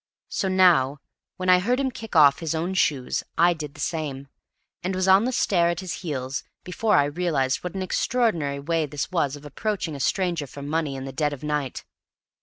So now, when I heard him kick off his own shoes, I did the same, and was on the stairs at his heels before I realized what an extraordinary way was this of approaching a stranger for money in the dead of night.